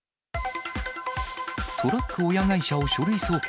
トラック親会社を書類送検。